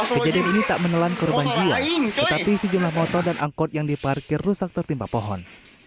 kejadian ini tak menelan korban jiwa tetapi sejumlah motor dan angkot yang diparkir rusak tertimpa pohon